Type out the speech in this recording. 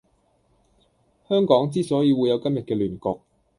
香港之所以會有今日既亂局